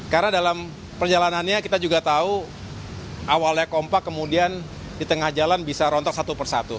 karena dalam perjalanannya kita juga tahu awalnya kompak kemudian di tengah jalan bisa rontok satu persatu